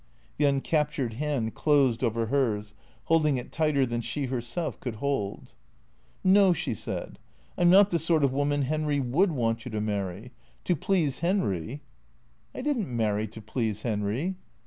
The uncaptured hand closed over hers, holding it tighter than she herself could hold. •' No," she said. " I 'm not the sort of woman Henry ivould want you to marry. To please Henry "" I did n't marry to please Henry."